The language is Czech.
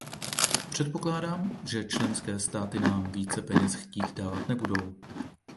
Předpokládám, že členské státy nám více peněz chtít dávat nebudou.